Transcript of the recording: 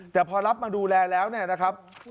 แต่พอรับมาดูแลแล้วนะครับ